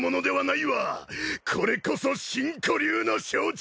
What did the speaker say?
これこそ真古流の象徴！